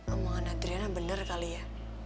emang anak adriana bener kali ya